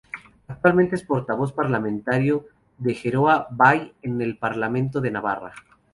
Actualmente es portavoz parlamentario de Geroa Bai en el Parlamento de Navarra.